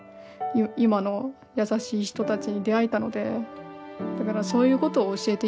今の優しい人たちに出会えたのでだからそういうことを教えていきたいと思ってるんで。